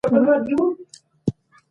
د فرهنګ غنا تر اقتصادي غنا اړينه ده.